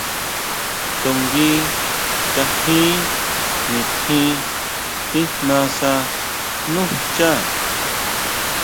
To nguí kanjin nitjín tijnasa nú xchá.